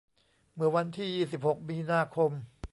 เมื่อวันที่ยี่สิบหกมีนาคม